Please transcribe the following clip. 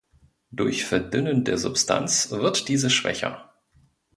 Durch Verdünnen der Substanz wird diese schwächer.